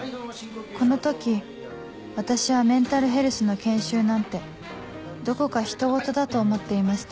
この時私はメンタルヘルスの研修なんてどこかひとごとだと思っていました